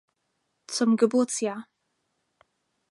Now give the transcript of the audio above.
Zum Geburtsjahr.